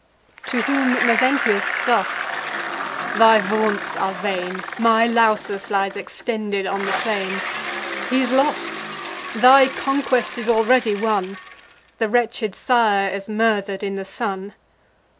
To whom Mezentius thus: "Thy vaunts are vain. My Lausus lies extended on the plain: He's lost! thy conquest is already won; The wretched sire is murder'd in the son.